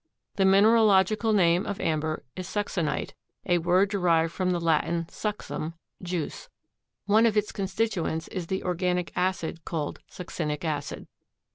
The mineralogical name of amber is succinite, a word derived from the Latin succum, juice. One of its constituents is the organic acid called succinic acid.